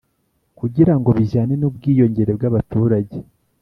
kugirango bijyane n'ubwiyongere bw'abaturage.